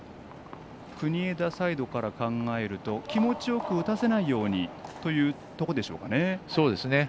国枝サイドから考えると気持ちよく打たせないようにというところでしょうか？